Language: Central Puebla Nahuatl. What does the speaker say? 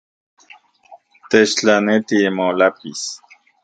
Techtlaneti molápiz